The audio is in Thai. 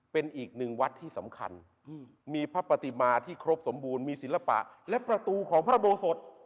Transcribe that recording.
เป็นอีกหนึ่งวัดที่สำคัญมีพระปฏิมาที่ครบสมบูรณ์มีศิลปะและประตูของพระโบสถ